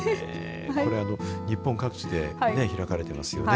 これ、あの日本各地で開かれてますよね。